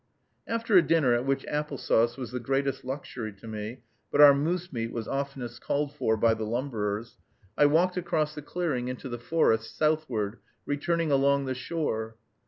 After a dinner at which apple sauce was the greatest luxury to me, but our moose meat was oftenest called for by the lumberers, I walked across the clearing into the forest, southward, returning along the shore.